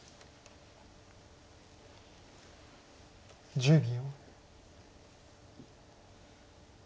１０秒。